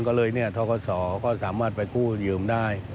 ก็เลยทกศก็สามารถไปกู้หยืมได้